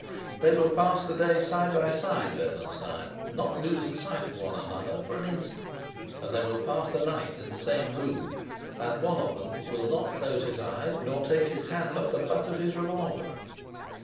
They will pass the day side by side, Bernenstein, not losing sight of one another for an instant, and they will pass the night in the same room. And one of them will not close his eyes nor take his hand off the butt of his revolver."